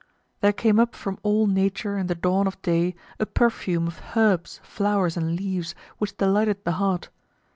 There came up from all nature in the dawn of day a perfume of herbs, flowers and leaves, which delighted the heart.